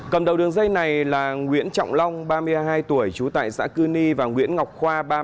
cầm đầu đường dây này là nguyễn trọng long ba mươi hai tuổi trú tại xã cư ni và nguyễn ngọc khoa